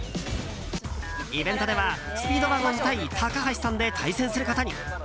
イベントではスピードワゴン対高橋さんで対戦することに。